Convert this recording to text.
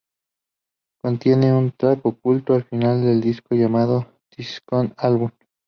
Contiene un track oculto al final del disco llamado "The Second Album".